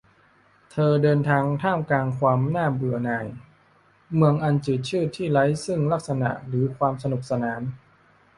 เธอเดินทางท่ามกลางความน่าเบื่อหน่าย เมืองอันจืดชืดที่ไร้ซึ่งลักษณะหรือความสนุกสนาน